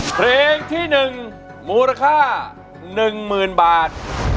เพลงที่๑มูลค่า๑๐๐๐บาท